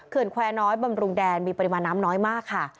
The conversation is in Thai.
แควร์น้อยบำรุงแดนมีปริมาณน้ำน้อยมากค่ะ